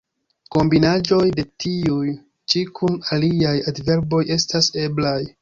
Kombinaĵoj de tiuj ĉi kun aliaj adverboj estas eblaj.